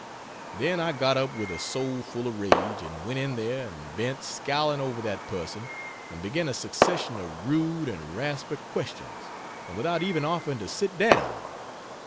Then I got up with a soul full of rage, and went in there and bent scowling over that person, and began a succession of rude and raspy questions and without even offering to sit down.